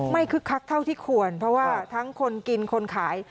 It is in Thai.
คึกคักเท่าที่ควรเพราะว่าทั้งคนกินคนขาย